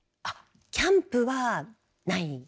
あっキャンプはない。